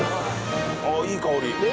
あっいい香り。